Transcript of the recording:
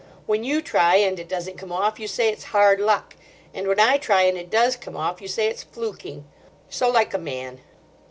When you try and it doesn't come off, you say it's 'hard luck;' and when I try and it does come off, you say it's fluking. So like a man."